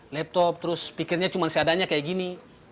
laptop terus pikirnya cuma seadanya kayak gini